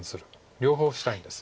両方したいんです。